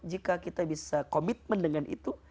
jika kita bisa komitmen dengan itu